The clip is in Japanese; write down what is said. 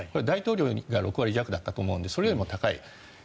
大統領が６割弱だったと思うのでそれよりも高い。